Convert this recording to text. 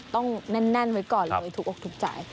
ต้องแน่นไว้ก่อนเลยถูกอกถูกใจ